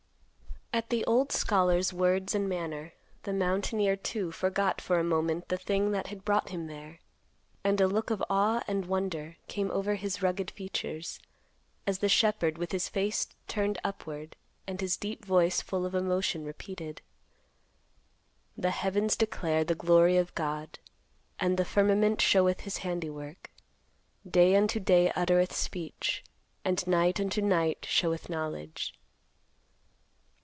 At the old scholar's words and manner, the mountaineer, too, forgot for a moment the thing that had brought him there, and a look of awe and wonder came over his rugged features, as the shepherd, with his face turned upward and his deep voice full of emotion, repeated, "The heavens declare the glory of God; and the firmament showeth his handiwork. Day unto day uttereth speech, and night unto night showeth knowledge."